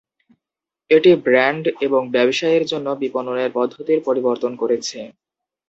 এটি ব্র্যান্ড এবং ব্যবসায়ের জন্য বিপণনের পদ্ধতির পরিবর্তন করেছে।